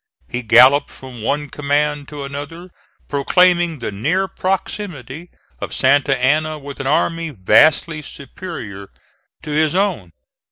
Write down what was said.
He galloped from one command to another proclaiming the near proximity of Santa Anna with an army vastly superior to his own.